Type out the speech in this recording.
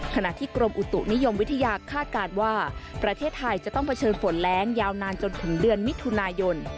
ขณะที่กรมอุตุนิยมวิทยาคาดการณ์ว่าประเทศไทยจะต้องเผชิญฝนแรงยาวนานจนถึงเดือนมิถุนายน